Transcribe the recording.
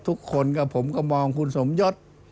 ทุกคนกับผมก็มองคุณสมยศ